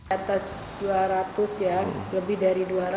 atas dua ratus ya lebih dari dua ratus